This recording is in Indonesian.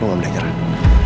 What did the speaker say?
lo gak boleh nyerah